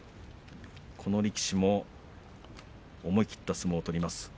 この力士も思い切った相撲を取ります。